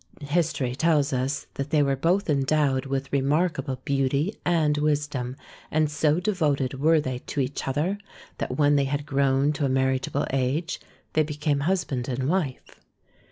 History tells us that they were both endowed with remarkable beauty and wisdom, and so devoted were they to each other that when they had grown to a marriage able age they became husband and wife.